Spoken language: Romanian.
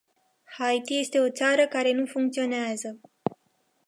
Haiti este o țară care nu funcționează.